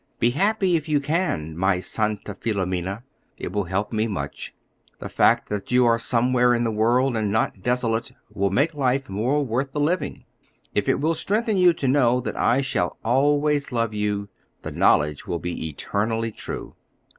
Be happy if you can, my santa Filomena; it will help me much, the fact that you are somewhere in the world and not desolate will make life more worth the living. If it will strengthen you to know that I shall always love you, the knowledge will be eternally true.